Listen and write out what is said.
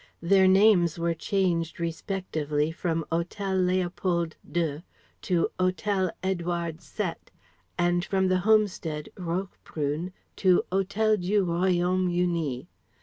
Their names were changed respectively from Hotel Leopold II to Hotel Edouard Sept, from The Homestead, Roquebrune, to Hotel du Royaume Uni.